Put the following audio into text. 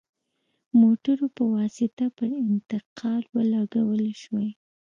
موټرو په واسطه پر انتقال ولګول شوې.